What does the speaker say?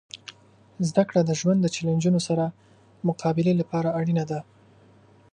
زدهکړه د ژوند د چیلنجونو سره مقابلې لپاره اړینه ده.